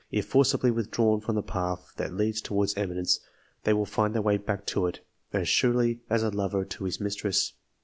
If forcibly withdrawn from the path that leads towards eminence, they will find their way back to it, as surely as a lover to his mistress.